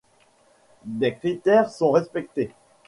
Des critères sont respectés.